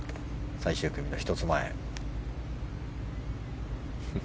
最終組の１つ前。